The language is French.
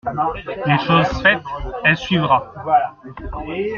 Les choses faites, elle suivra.